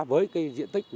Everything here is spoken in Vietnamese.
với cái diện tích